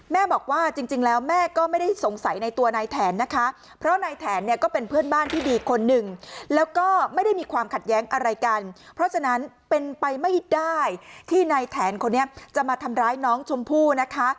แม่บอกว่าจริงแล้วแม่ก็ไม่ได้สงสัยในตัวนายแถนนะคะเพราะนายแถนเนี่ยก็เป็นเพื่อนบ้านที่ดีคนหนึ่งแล้วก็ไม่ได้มีความขัดแย้งอะไรกันเพราะฉะนั้นเป็นไปไม่ได้ที่นายแถนคนนี้จะมาทำร้ายน้องชมพู่นะคะ